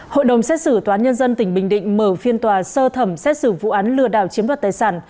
hội đồng xét xử toán nhân dân tỉnh bình định mở phiên tòa sơ thẩm xét xử vụ án lừa đảo chiếm vật tài sản